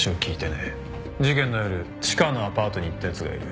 事件の夜チカのアパートに行った奴がいる。